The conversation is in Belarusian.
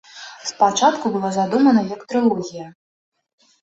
Спачатку была задумана як трылогія.